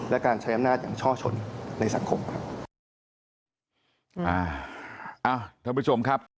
และการใช้อำนาจอย่างช่อชนในสังคมครับ